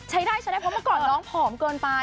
ใช้ได้ใช้ได้เพราะเมื่อก่อนน้องผอมเกินไป